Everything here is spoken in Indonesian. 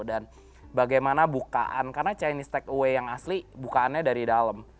dan bagaimana bukaan karena chinese takeaway yang asli bukaannya dari dalam